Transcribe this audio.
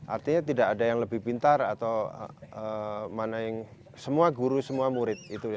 artinya tidak ada yang lebih pintar atau mana yang semua guru semua murid